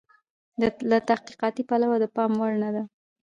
له تحقیقاتي پلوه د پام وړ نه ده.